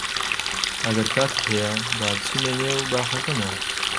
ئەگەر کاتت هەیە با بچینە نێو باخەکەمان.